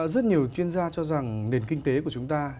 rất nhiều chuyên gia cho rằng nền kinh tế của chúng ta